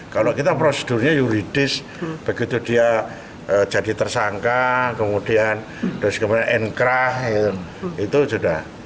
kalau kita prosedurnya yuridis begitu dia jadi tersangka kemudian terus kemudian inkrah itu sudah